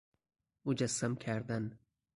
مجسم کردن